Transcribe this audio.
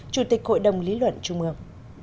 chủ tịch hội đồng lý luận trung mương